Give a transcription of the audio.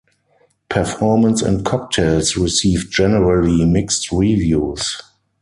"Performance and Cocktails" received generally mixed reviews.